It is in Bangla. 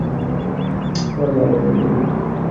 আমার বাবা-মায়ের বন্ধু।